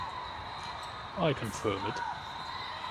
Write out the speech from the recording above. I confirm it.